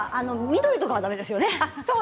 緑はだめですよね。